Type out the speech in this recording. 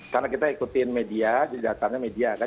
karena kita ikutin media jadi datangnya media